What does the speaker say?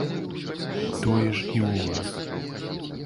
Тое ж і ў вас.